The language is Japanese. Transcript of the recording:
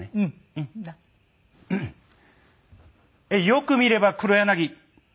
よく見れば黒柳。